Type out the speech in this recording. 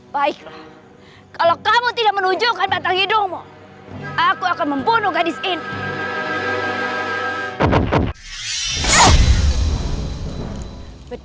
baiklah kalau kamu tidak menunjukkan batang hidungmu aku akan membunuh gadis ini